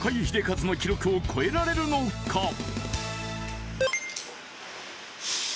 英和の記録を超えられるのか？